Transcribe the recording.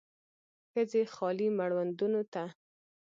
ښځې خالي مړوندونو ته